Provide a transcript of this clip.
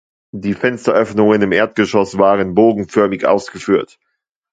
Die Fensteröffnungen im Erdgeschoss waren bogenförmig ausgeführt.